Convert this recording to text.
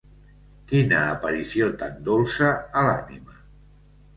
Quina aparició tan dolça a l'ànima!